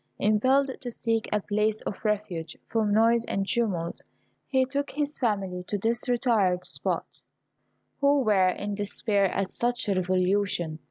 Impelled to seek a place of refuge from noise and tumult, he took his family to this retired spot, who were in despair at such a revolution.